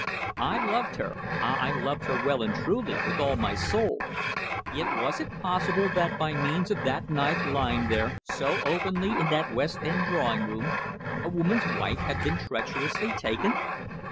I loved her ah! I loved her well and truly, with all my soul. Yet was it possible that by means of that knife lying there so openly in that West End drawing room a woman's life had been treacherously taken.